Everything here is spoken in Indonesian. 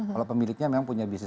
kalau pemiliknya memang punya bisnis